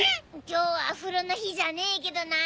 今日は風呂の日じゃねえけどな。